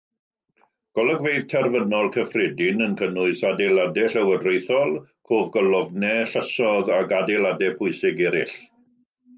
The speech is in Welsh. Golygfeydd terfynol cyffredin yn cynnwys adeiladau llywodraethol, cofgolofnau, llysoedd ac adeiladau pwysig eraill.